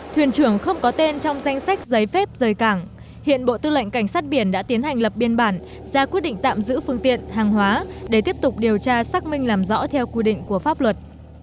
thuyền trưởng không có tên trong danh sách giấy phép rời cảng hiện bộ tư lệnh cảnh sát biển đã tiến hành lập biên bản ra quyết định tạm giữ phương tiện hàng hóa để tiếp tục điều tra xác minh làm rõ theo quy định của pháp luật